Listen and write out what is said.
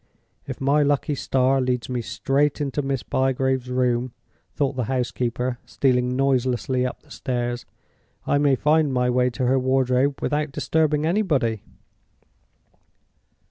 "If my lucky star leads me straight into Miss Bygrave's room," thought the housekeeper, stealing noiselessly up the stairs, "I may find my way to her wardrobe without disturbing anybody."